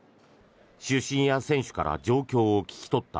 主審や選手から情報を聞き取った